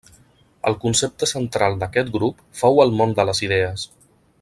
El concepte central d'aquest grup fou el món de les idees.